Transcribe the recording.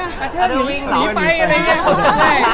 อาเทอร์หนีไปอะไรอย่างนี้